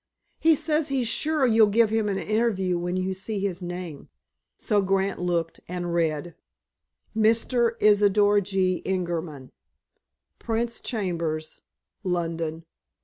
He says he's sure you'll give him an interview when you see his name." So Grant looked, and read:— Mr. Isidor G. Ingerman _Prince's Chambers, London, W.